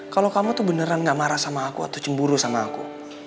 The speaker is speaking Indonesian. kalau kamu tuh beneran gak marah sama aku atau cemburu sama aku